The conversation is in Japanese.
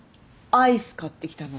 アイス買ってきたの。